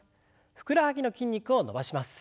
ふくらはぎの筋肉を伸ばします。